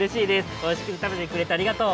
おいしくたべてくれてありがとう！